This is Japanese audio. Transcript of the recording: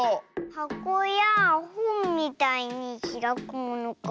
はこやほんみたいにひらくものか。